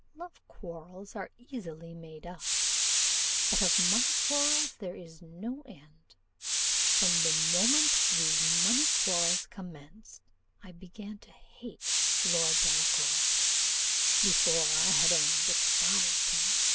Love quarrels are easily made up, but of money quarrels there is no end. From the moment these money quarrels commenced, I began to hate Lord Delacour; before, I had only despised him.